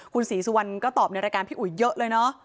คุณศรีสุวรรณก็ตอบในรายการพี่อุ๋ยเยอะเลยเนอะ